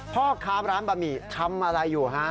พ่อค้าร้านบะหมี่ทำอะไรอยู่ฮะ